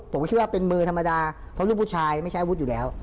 ผมก็คิดว่าเป็นมือธรรมดาเพราะลูกผู้ชายไม่ใช้อาวุธอยู่แล้ว